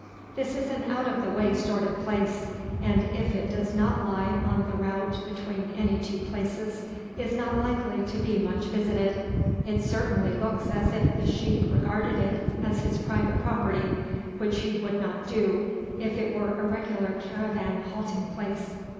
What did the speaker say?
This is an out of the way sort of place, and if it does not lie on the route between any two places, is not likely to be much visited. It certainly looks as if the sheik regarded it as his private property, which he would not do if it were a regular caravan halting place.